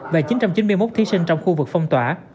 và chín trăm chín mươi một thí sinh trong khu vực phong tỏa